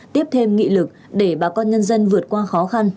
tiếp thêm nghị lực để bà con nhân dân vượt qua khó khăn